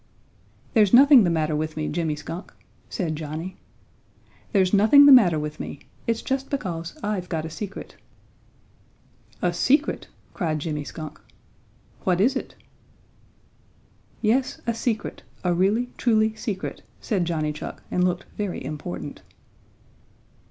"There's nothing the matter with me, Jimmy Skunk," said Johnny. "There's nothing the matter with me. It's just because I've got a secret." "A secret!" cried Jimmy Skunk. "What is it?" "Yes, a secret, a really, truly secret," said Johnny Chuck, and looked very important.